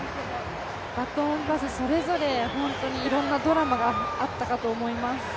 バトンパス、それぞれ本当にいろんなドラマがあったかと思います。